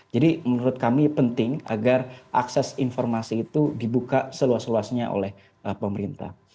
jadi menurut kami penting agar akses informasi itu dibuka seluas luasnya oleh pemerintah